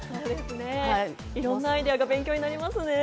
いろんなアイデアが勉強になりますね。